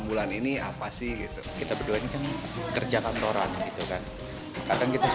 bulan ini apa sih gitu kita berdua ini kan kerja kantoran gitu kan kadang kita